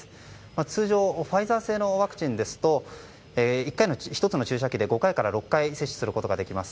通常ファイザー製のワクチンですと１つの注射器で５回から６回接種することができます。